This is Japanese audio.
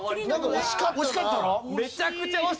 惜しかったの？